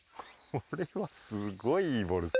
これはすごいいいボールです